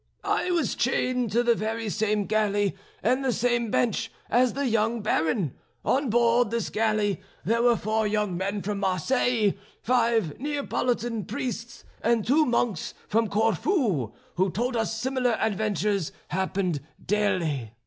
I was chained to the very same galley and the same bench as the young Baron. On board this galley there were four young men from Marseilles, five Neapolitan priests, and two monks from Corfu, who told us similar adventures happened daily.